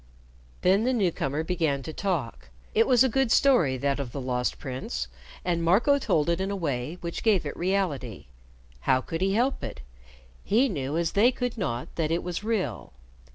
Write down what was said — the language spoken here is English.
Then the new comer began to talk. It was a good story, that of the Lost Prince, and Marco told it in a way which gave it reality. How could he help it? He knew, as they could not, that it was real.